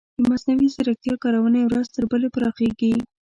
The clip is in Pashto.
د مصنوعي ځیرکتیا کارونې ورځ تر بلې پراخیږي.